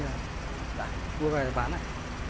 dạ mua về thì bán này